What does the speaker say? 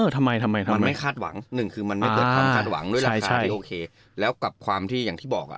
ทำไมมันไม่เกิดคัดหวังด้วยรักษาที่โอเคแล้วกับความที่อย่างที่บอกอ่ะ